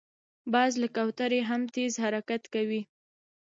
باز له کوترې هم تېز حرکت کوي